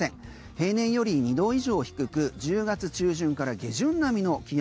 平年より２度以上低く１０月中旬から下旬並みの気温。